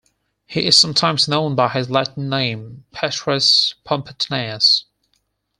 He is sometimes known by his Latin name, "Petrus Pomponatius".